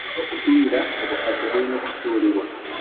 Obupiira obukadde bulina okusuulibwa.